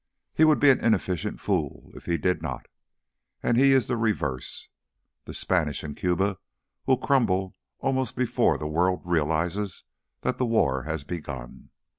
He would be an inefficient fool if he did not, and he is the reverse. The Spanish in Cuba will crumble almost before the world realizes that the war has begun.